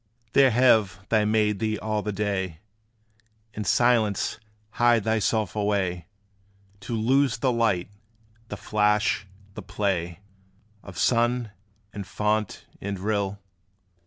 There have they made thee all the day In silence hide thyself away, To lose the light, the flash, the play Of sun, and fount, and rill?